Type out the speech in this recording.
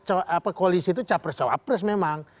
apa koalisi itu capres cowok pres memang